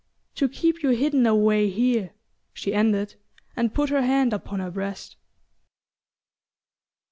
"To keep you hidden away here," she ended, and put her hand upon her breast.